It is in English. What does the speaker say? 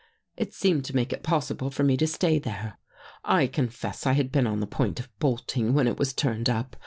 It seemed to make it possible for me to stay there. I confess I had been on the point of bolting when it was turned up.